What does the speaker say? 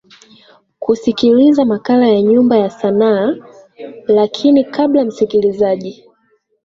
kusikiliza makala ya nyumba ya sanaa lakini kabla msikilizaji